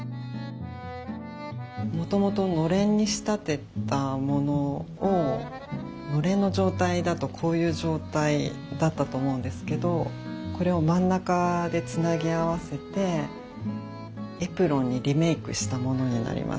もともとのれんに仕立てたものをのれんの状態だとこういう状態だったと思うんですけどこれを真ん中でつなぎ合わせてエプロンにリメークしたものになります。